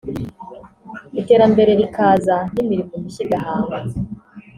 iterambere rikaza n’imirimo mishya igahangwa